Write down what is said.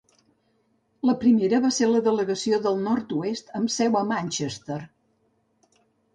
La primera va ser la Delegació del Nord-oest, amb seu a Manchester.